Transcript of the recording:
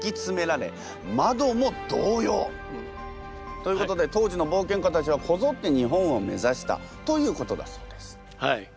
ということで当時の冒険家たちはこぞって日本を目指したということだそうです。